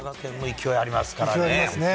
勢いありますね。